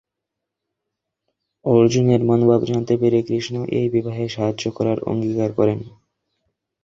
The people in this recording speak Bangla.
অর্জুনের মনোভাব জানতে পেরে কৃষ্ণ এই বিবাহে সাহায্য করার অঙ্গীকার করেন।